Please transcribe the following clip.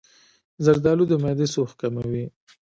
زردآلو د معدې سوخت کموي.